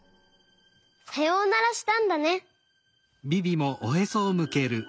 さようならしたんだね。